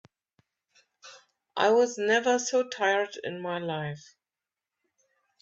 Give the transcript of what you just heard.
I was never so tired in my life.